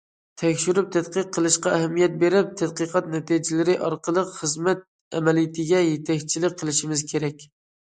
تەكشۈرۈپ تەتقىق قىلىشقا ئەھمىيەت بېرىپ، تەتقىقات نەتىجىلىرى ئارقىلىق خىزمەت ئەمەلىيىتىگە يېتەكچىلىك قىلىشىمىز كېرەك.